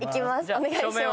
お願いします